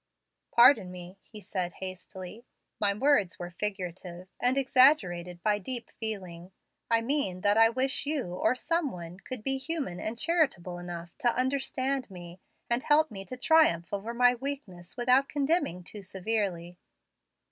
"Pardon me," he said hastily. "My words were figurative, and exaggerated by deep feeling. I meant that I wished you, or some one, could be human and charitable enough to understand me, and help me to triumph over my weakness without condemning too severely."